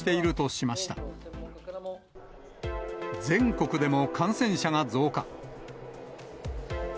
全国でも感染者が増加。